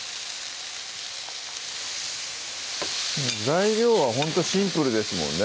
材料はほんとシンプルですもんね